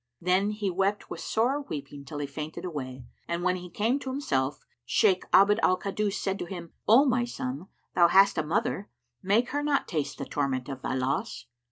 Then he wept with sore weeping till he fainted away; and when he came to himself, Shaykh Abd al Kaddus said to him, "O my son, thou hast a mother; make her not taste the torment of thy loss."